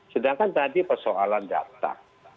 sedangkan tadi persoalan data